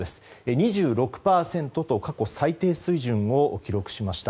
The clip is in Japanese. ２６％と過去最低水準を記録しました。